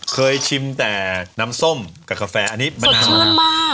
เคยชิมแต่น้ำส้มกับคาแฟอันนี้มะนาวค่ะสดชื่นมาก